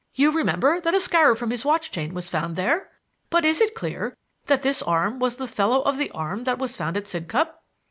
You remember that a scarab from his watch chain was found there? But is it clear that this arm was the fellow of the arm that was found at Sidcup?"